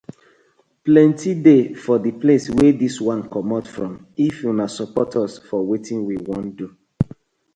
Plenty dey for di place wey dis one comot from if una support us for wetin we won do.